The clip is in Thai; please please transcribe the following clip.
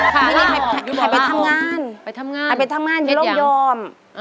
พี่นี่ไปทำงานไปทำงานอยู่ร่ม